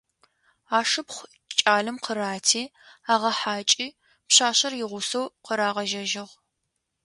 Ашыпхъу кӏалэм къырати, агъэхьакӏи, пшъашъэр игъусэу къырагъэжьэжьыгъ.